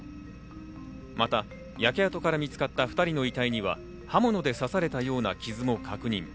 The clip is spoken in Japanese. また、焼け跡から見つかった２人の遺体には刃物で刺されたような傷も確認。